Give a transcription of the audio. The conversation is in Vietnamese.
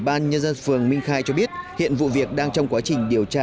ủy ban nhân dân phường minh khai cho biết hiện vụ việc đang trong quá trình điều tra